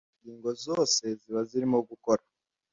ingingo zose ziba zirimo gukora